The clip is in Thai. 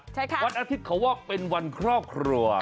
ใช่ค่ะวันอาทิตย์เขาว่าเป็นวันครอบครัว